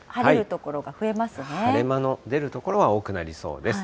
晴れ間の出る所は多くなりそうです。